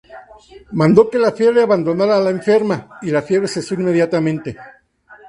Mandó que la fiebre abandonara a la enferma, y la fiebre cesó inmediatamente.